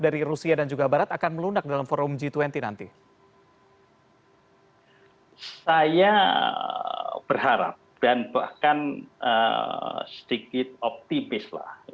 dari rusia dan juga barat akan melunak dalam forum g dua puluh nanti hai saya berharap dan bahkan sedikit optimis lah